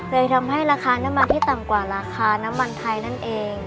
เลยทำให้ราคาน้ำมันที่ต่ำกว่าราคาน้ำมันไทยนั่นเอง